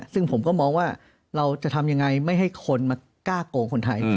ซึ่งผมก็มองว่าเราจะทำยังไงไม่ให้คนมากล้าโกงคนไทย